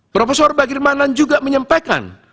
prof bagirmanan juga menyampaikan